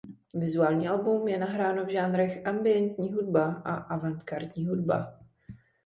Vizuální album je nahráno v žánrech ambientní hudba a avantgardní hudba.